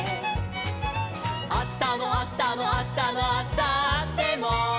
「あしたのあしたのあしたのあさっても」